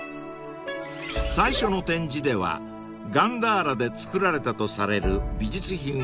［最初の展示ではガンダーラで作られたとされる美術品を展示］